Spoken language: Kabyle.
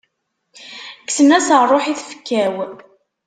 Kksen-as rruḥ i tfekka-w.